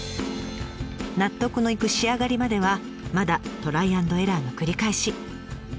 納得のいく仕上がりまではまだトライ＆エラーの繰り返し。